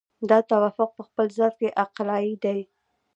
دا توافق په خپل ذات کې عقلایي دی.